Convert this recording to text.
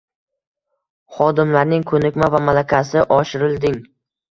Xodimlarning ko‘nikma va malakasi oshirilding